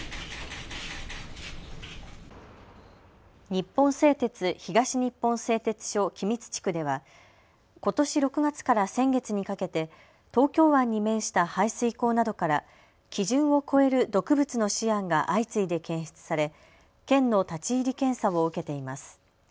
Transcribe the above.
日本製鉄東日本製鉄所君津地区ではことし６月から先月にかけて東京湾に面した排水口などから基準を超える毒物のシアンが相次いで検出され県の立ち入り検査を受けています。